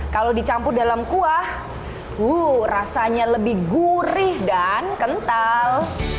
kalau dicampur dalam kuah rasanya lebih gurih dan kental